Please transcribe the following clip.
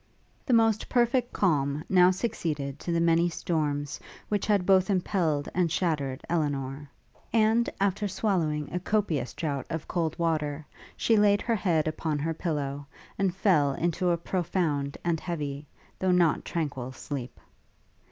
The most perfect calm now succeeded to the many storms which had both impelled and shattered Elinor; and, after swallowing a copious draught of cold water, she laid her head upon her pillow, and fell into a profound and heavy, though not tranquil sleep.